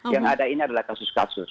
yang ada ini adalah kasus kasus